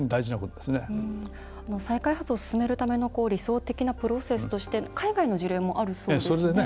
再開発をするための理想的なプロセスとして海外の事例もあるそうですね。